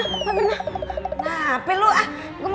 eh pamerna bentar dulu